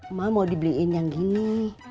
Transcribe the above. emak mau dibeliin yang gini